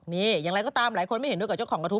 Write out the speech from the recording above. นี่อย่างไรก็ตามหลายคนไม่เห็นด้วยกับเจ้าของกระทู้